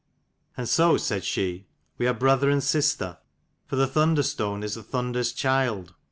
"And so," said she, "We are brother and sister, for the Thunder stone is the 103 Thunder's child."